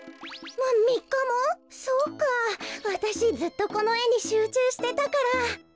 わたしずっとこのえにしゅうちゅうしてたから。